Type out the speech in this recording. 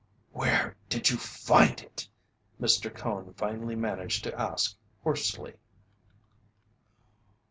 "Where did you find it?" Mr. Cone finally managed to ask hoarsely.